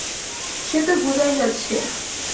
সে তো বোঝাই যাচ্ছে।